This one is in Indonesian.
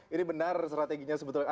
ini benar strateginya sebetulnya